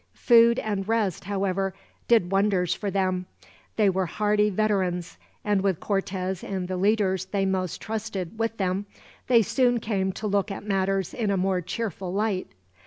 Food and rest, however, did wonders for them. They were hardy veterans, and with Cortez and the leaders they most trusted with them, they soon came to look at matters in a more cheerful light.